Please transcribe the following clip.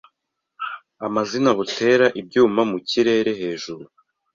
amazina butera ibyuma mu kirere hejuru